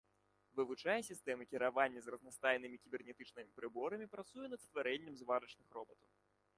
Вывучае сістэмы кіравання з разнастайнымі кібернетычнымі прыборамі, працуе над стварэннем зварачных робатаў.